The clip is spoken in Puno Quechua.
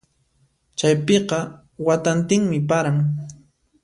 Chaypiqa watantinmi paran.